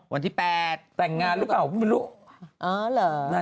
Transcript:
วันที่๘แต่งงานหรือเปล่าก็ไม่รู้